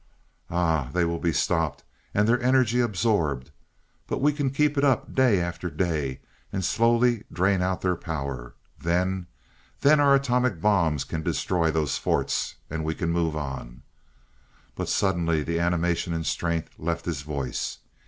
Ah, they will be stopped, and their energy absorbed. But we can keep it up, day after day, and slowly drain out their power. Then then our atomic bombs can destroy those forts, and we can move on!" But suddenly the animation and strength left his voice.